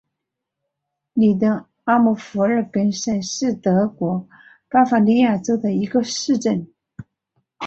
里登阿姆福尔根塞是德国巴伐利亚州的一个市镇。